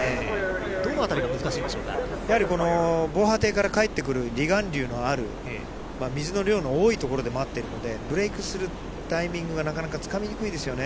どのあたりが難しいでしょうやはりこの防波堤から帰ってくる離岸流のある、水の多い所で待っているので、ブレークするタイミングがなかなかつかみにくいですよね。